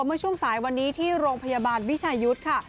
เมื่อช่วงสายวันนี้ที่โรงพยาบาลวิชายุทธ์ค่ะ